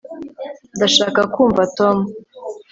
ndashaka kumva tom